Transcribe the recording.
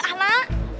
ibutan bang diman